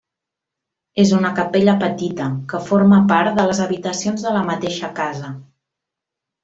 És una capella petita, que forma part de les habitacions de la mateixa casa.